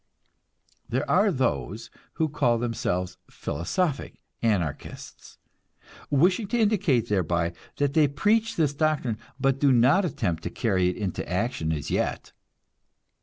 There are those who call themselves "philosophic" Anarchists, wishing to indicate thereby that they preach this doctrine, but do not attempt to carry it into action as yet.